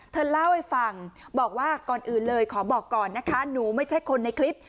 เธอเล่าให้ฟังบอกว่าก่อนอื่นเลยขอบอกก่อนนะคะหนูไม่ใช่คนในคลิป